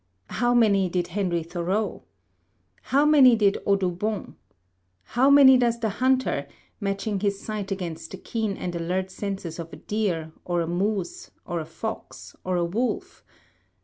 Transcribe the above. how many did Henry Thoreau? how many did Audubon? how many does the hunter, matching his sight against the keen and alert senses of a deer, or a moose, or a fox, or a wolf?